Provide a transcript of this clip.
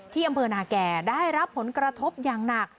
อำเภอนาแก่ได้รับผลกระทบอย่างหนัก